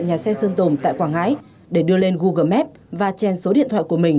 nhà xe sơn tùng tại quảng ngãi để đưa lên google map và chen số điện thoại của mình